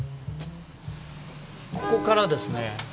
ここからですね